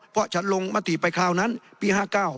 เพราะฉันลงมติไปคราวนั้นปี๕๙